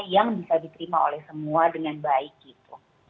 yang bisa diterima oleh semua dengan baik gitu